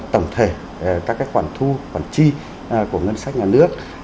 tổng thể các khoản thu khoản chi của ngân sách nhà nước